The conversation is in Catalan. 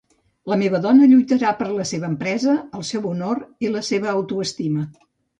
La meva dona lluitarà per la seva empresa, el seu honor i la seva autoestima.